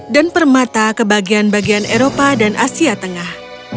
dan permata ke bagian bagian eropa dan asia tengah